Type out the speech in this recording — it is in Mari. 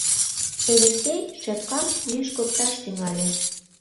Элексей шепкам лӱшкыкташ тӱҥале.